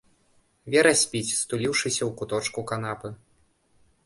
Вера спіць, стуліўшыся ў куточку канапы.